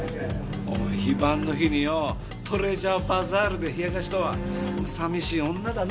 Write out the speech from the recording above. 非番の日によトレジャーバザールで冷やかしとは寂しい女だな